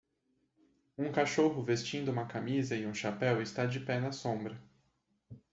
Um cachorro vestindo uma camisa e um chapéu está de pé na sombra.